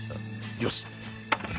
よし。